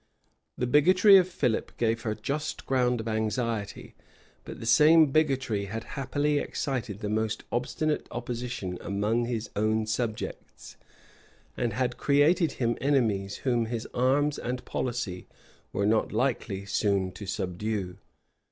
The bigotry of Philip gave her just ground of anxiety; but the same bigotry had happily excited the most obstinate opposition among his own subjects, and had created him enemies whom his arms and policy were not likely soon to subdue.